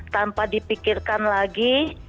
tanpa dipikirkan lagi